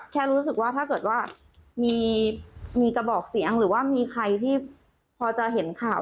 แค่รู้สึกว่าถ้าเกิดว่ามีกระบอกเสียงหรือว่ามีใครที่พอจะเห็นข่าว